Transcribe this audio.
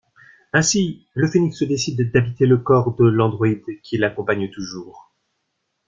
Ainsi, le Phénix décide d'habiter le corps de l'androïde qui l'accompagne toujours…